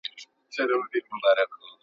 ملا وویل قرآن راته راواخله